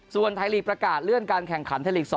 ส่วนไทยลีกประกาศเลื่อนการแข่งขันไทยลีก๒